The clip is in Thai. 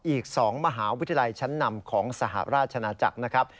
อีก๒มหาวิทยาลัยชั้นนำของสหราชนาจักรนะครับ